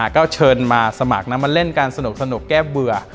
ก็เชิญมาสมัครมาเล่นกันสนุกแก้เบื่อ